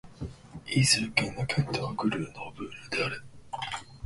イゼール県の県都はグルノーブルである